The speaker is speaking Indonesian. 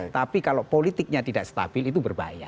tapi kalau politiknya tidak stabil itu berbahaya